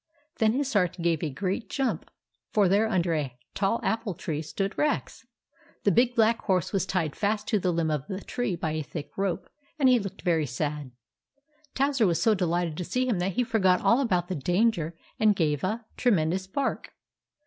Then his heart gave a great jump, for there under a tall apple tree stood Rex ! The big black horse was tied fast to a limb of the tree by a thick rope, and he looked very sad. Towser was so delighted to see him that he forgot all about the danger, and gave a tremendous bark.